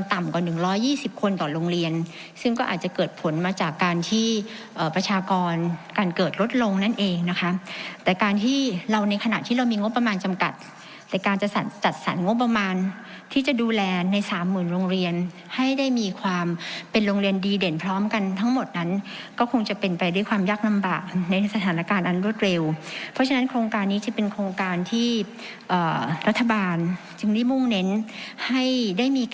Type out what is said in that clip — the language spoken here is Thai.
ที่เอ่อประชากรการเกิดลดลงนั่นเองนะคะแต่การที่เราในขณะที่เรามีงบประมาณจำกัดแต่การจะจัดสรรค์งบประมาณที่จะดูแลในสามหมื่นโรงเรียนให้ได้มีความเป็นโรงเรียนดีเด่นพร้อมกันทั้งหมดนั้นก็คงจะเป็นไปด้วยความยากนำบากในสถานการณ์อันรวดเร็วเพราะฉะนั้นโครงการนี้จะเป็นโครงการที่เอ่อรัฐบาลจึงได